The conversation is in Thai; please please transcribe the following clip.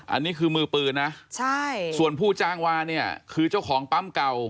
อันนี้คือมือปืนนะใช่ส่วนผู้จ้างวาเนี่ยคือเจ้าของปั๊มเก่า